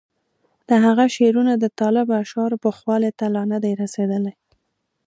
د هغه شعرونه د طالب اشعارو پوخوالي ته لا نه دي رسېدلي.